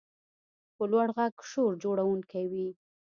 په لوړ غږ شور جوړونکی وي.